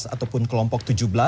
ataupun kelompok tujuh belas